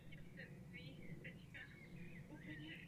Označení je provedeno dopravní značkou nebo jiným dopravním zařízením.